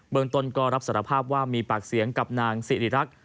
เมืองต้นก็รับสารภาพว่ามีปากเสียงกับนางสิริรักษ์